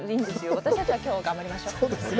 私たちはきょう、頑張りましょう。